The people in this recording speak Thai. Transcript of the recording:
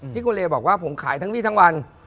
ที่กุเรบอกว่าผมขายทั้งวิทย์ทั้งวัน